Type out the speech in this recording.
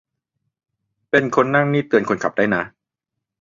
เป็นคนนั่งนี่เตือนคนขับได้นะ